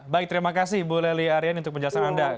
baik terima kasih bu lely aryan untuk penjelasan anda